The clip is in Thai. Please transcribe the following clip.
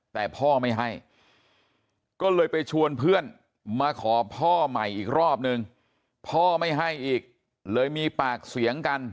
แต่พ่อไม่ให้ก็เลยไปชวนเพื่อนมาขอพ่อใหม่อีกรอบนึงพ่อไม่ให้อีกเลยมีปากเสียงกัน